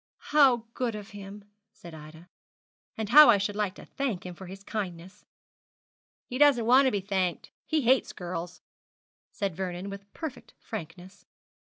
'How good of him!' said Ida; 'and how I should like to thank him for his kindness!' 'He doesn't want to be thanked. He hates girls,' said Vernon, with perfect frankness.